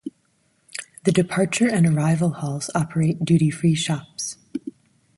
The departure and arrival halls operate duty-free shops.